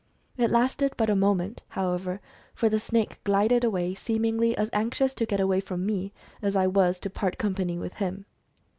It lasted but a mo ment, however, for the snake glided away, seemingly as anxious to get away from me as I was to part com pany with him.